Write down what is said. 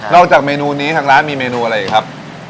จากเมนูนี้ทางร้านมีเมนูอะไรอีกครับ